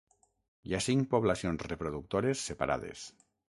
Hi ha cinc poblacions reproductores separades.